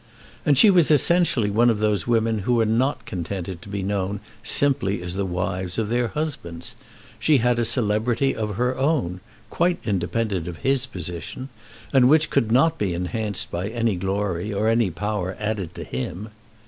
And she was essentially one of those women who are not contented to be known simply as the wives of their husbands. She had a celebrity of her own, quite independent of his position, and which could not be enhanced by any glory or any power added to him.